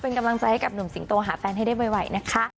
เป็นกำลังใจให้กับหนุ่มสิงโตหาแฟนดีหวัยนะ